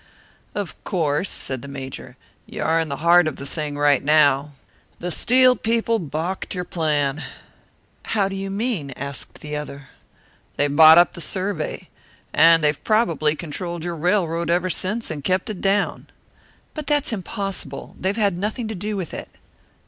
"Of course," said the Major, "you are in the heart of the thing right now. The Steel people balked your plan." "How do you mean?" asked the other. "They bought up the survey. And they've probably controlled your railroad ever since, and kept it down." "But that's impossible! They've had nothing to do with it."